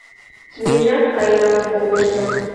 Межат каялын колтышна